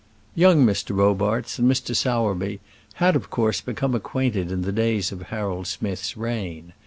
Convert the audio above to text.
Young Robarts and Mr. Sowerby had, of course, become acquainted in the days of Harold Smith's reign.